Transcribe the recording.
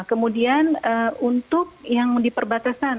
kemudian untuk yang di perbatasan